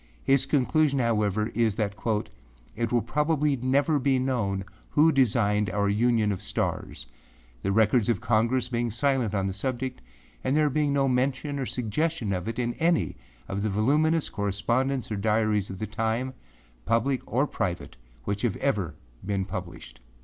His conclusion, however, is that âit will probably never be known who designed our union of stars, the records of Congress being silent on the subject and there being no mention or suggestion of it in any of the voluminous correspondence or diaries of the time, public or private, which have ever been published.